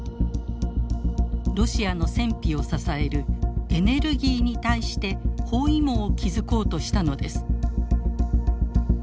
ロシアの戦費を支えるエネルギーに対して包囲網を築こうとしたのです。